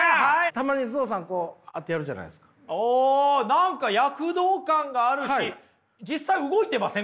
何か躍動感があるし実際動いてません？